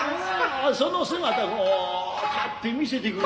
ああその姿立って見せてくれ。